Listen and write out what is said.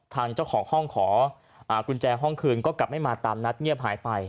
ทางเจ้าของห้องขอกุญแจห้องคืนก็กลับไม่มาตามนัดเงียบหายไป